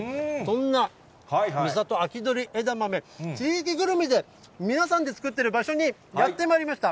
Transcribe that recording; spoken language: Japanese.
そんな三郷秋どりえだまめ、地域ぐるみで皆さんで作っている場所にやってまいりました。